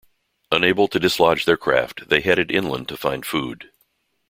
Unable to dislodge their craft, they headed inland to find food.